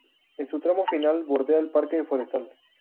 En su tramo final, bordea el Parque Forestal.